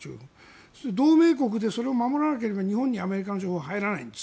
そうすると同盟国でそれを守らなければ日本にアメリカの情報入らないんです。